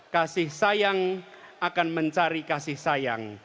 kasih sayang akan mencari kasih sayang